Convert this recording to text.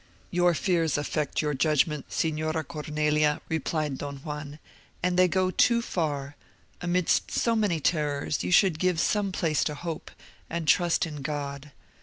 "Your fears affect your judgment, Signora Cornelia," replied Don Juan; "and they go too far. Amidst so many terrors, you should give some place to hope, and trust in God.